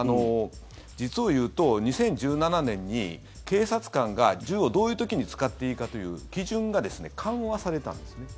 実を言うと、２０１７年に警察官が銃をどういう時に使っていいかという基準が緩和されたんですね。